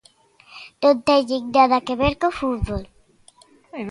"Non teñen nada que ver co fútbol".